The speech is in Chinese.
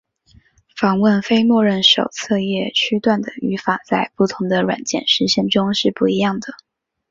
访问非默认手册页区段的语法在不同的软件实现中是不一样的。